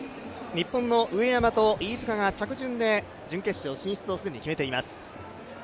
日本の上山と飯塚が着順で準決勝進出を既に決めています。